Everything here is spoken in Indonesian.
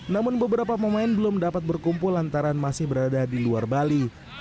namun beberapa pemain belum dapat berkumpul lantaran masih berada di luar bali